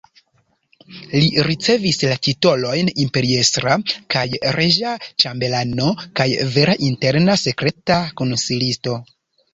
Li ricevis la titolojn imperiestra kaj reĝa ĉambelano kaj vera interna sekreta konsilisto.